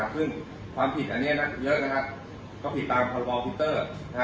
ซึ่งความผิดอันนี้เยอะนะครับก็ผิดตามพรบพิวเตอร์